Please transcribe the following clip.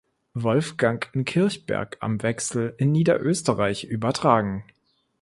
Wolfgang in Kirchberg am Wechsel in Niederösterreich übertragen.